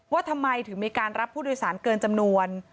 ว่าทำไมถึงมีการรับผู้โดยสารเกินจำนวน